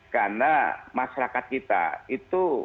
karena masyarakat kita itu